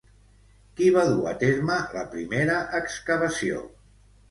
Qui va dur a terme la primera excavació?